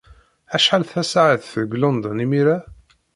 Acḥal tasaɛet deg London imir-a?